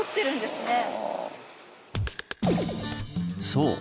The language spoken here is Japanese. そう！